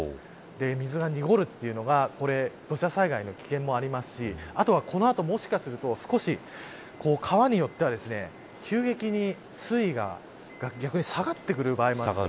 水が濁るというのが土砂災害の危険もありますしあとは、この後もしかすると少し川によっては急激に水位が逆に下がってくる場合もあるんです。